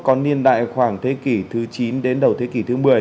còn niên đại khoảng thế kỷ thứ chín đến đầu thế kỷ thứ một mươi